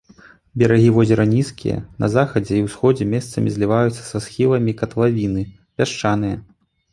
Берагі возера нізкія, на захадзе і ўсходзе месцамі зліваюцца са схіламі катлавіны, пясчаныя.